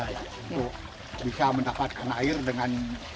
untuk bisa mendapatkan air dengan